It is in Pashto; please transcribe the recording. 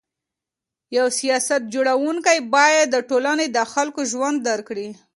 یو سیاست جوړونکی باید د ټولني د خلکو ژوند درک کړي.